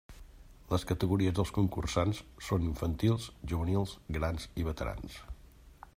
Les categories dels concursants són infantils, juvenils, grans i veterans.